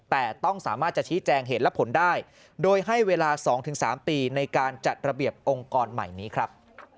แต่ต้องสามารถจะชี้แจงเหตุและผลได้โดยให้เวลา๒๓ปีในการจัดระเบียบองค์กรใหม่นี้ครับ